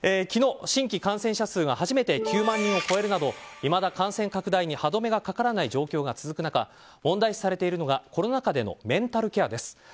昨日、新規感染者数が初めて９万人を超えるなどいまだ感染拡大に歯止めがかからない状況が続く中問題視されているのがコロナ禍でのメンタルケアです。